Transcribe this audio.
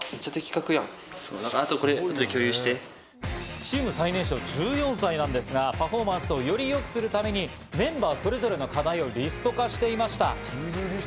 チーム最年少・１４歳なんですが、パフォーマンスをよりよくするためにメンバーそれぞれの課題をリスト化していました。